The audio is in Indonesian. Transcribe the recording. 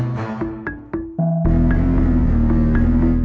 kabit regas itu